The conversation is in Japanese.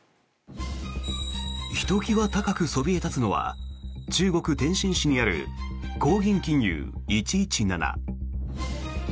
ひときわ高くそびえたつのは中国・天津市にある高銀金融１１７。